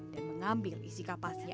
dan mengambil isi kapasnya